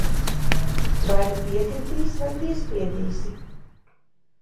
Vai nu piekritīs, vai piespiedīsi.